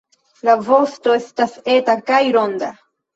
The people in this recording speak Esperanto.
La vosto estas eta kaj ronda.